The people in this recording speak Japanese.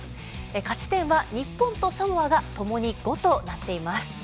勝ち点は、日本とサモアがともに５となっています。